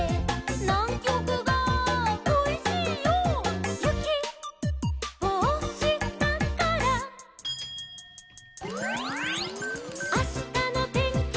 「『ナンキョクがこいしいよ』」「ゆきをおしたから」「あしたのてんきは」